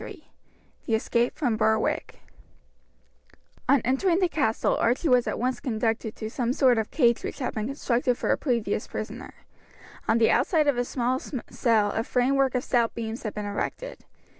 Chapter XXIII The Escape from Berwick On entering the castle Archie was at once conducted to a sort of cage which had been constructed for a previous prisoner. On the outside of a small cell a framework of stout beams had been erected.